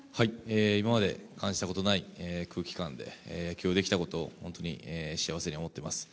今まで感じたことのない空気感でできたことを本当に幸せに思っています。